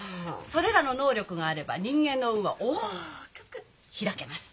それらの能力があれば人間の運は大きく開けます。